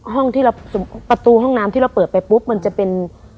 ที่เราประตูห้องน้ำที่เราเปิดไปปุ๊บมันจะเป็น